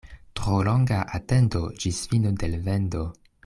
Tro longa atendo ĝis fino de l' vendo.